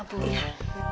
terima kasih banyak